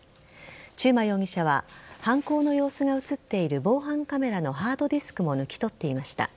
中馬容疑者は犯行の様子が映っている防犯カメラのハードディスクも抜き取っていました。